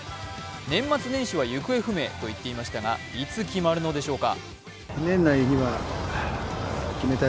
年末年始は行方不明と言っていましたが、いつ決まるのでしょうか。